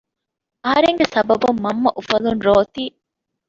އަހަރެންގެ ސަބަބުން މަންމަ އުފަލުން ރޯތީ